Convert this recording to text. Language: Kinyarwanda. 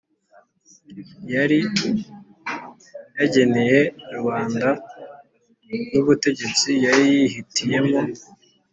yari yageneye rubanda n'ubutegetsi yari yihitiye mo